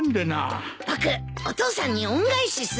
僕お父さんに恩返しするよ。